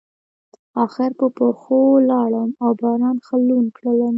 اخر په پښو لاړم او باران ښه لوند کړلم.